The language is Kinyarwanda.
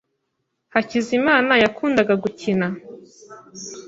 Hakizimana yakundaga gukina?